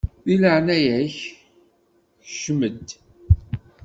Di leɛnaya-k kcem-d!